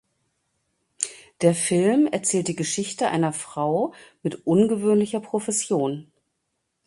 Der Film erzählt die Geschichte einer Frau mit ungewöhnlicher Profession.